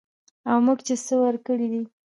او موږ چې څه ورکړي دي